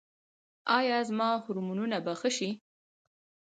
ایا زما هورمونونه به ښه شي؟